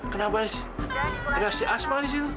kenapa ada si asma di situ